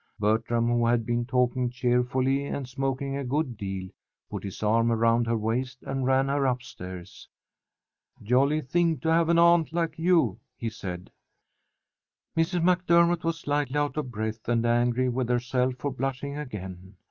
Bertram who had been talking cheerfully and smoking a good deal, put his arm round her waist and ran her upstairs. "Jolly thing to have an aunt like you," he said. Mrs. MacDermott was slightly out of breath and angry with herself for blushing again.